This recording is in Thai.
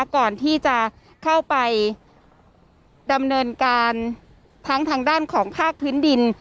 ก่อนที่จะเข้าไปดำเนินการทั้งทางด้านของภาคพื้นดิน